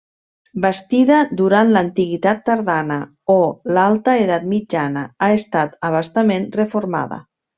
Bastida durant l'antiguitat tardana o l'Alta Edat Mitjana ha estat a bastament reformada.